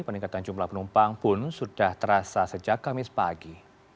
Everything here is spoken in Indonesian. peningkatan jumlah penumpang pun sudah terasa sejak kamis pagi